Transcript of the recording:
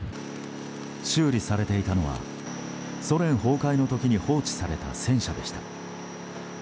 修理されていたのはソ連崩壊の時に放置されていた戦車でした。